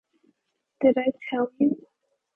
Did I tell you?